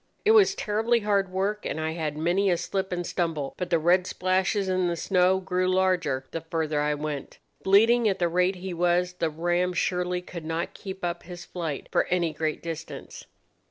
It was terribly hard work, and I had many a slip and stumble; but the red splashes in the snow grew larger the further I went. Bleeding at the rate he was, the ram surely could not keep up his flight for any great distance.